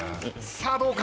さあどうか？